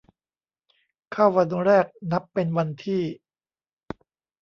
เข้าวันแรกนับเป็นวันที่